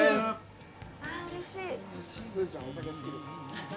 あ、うれしい。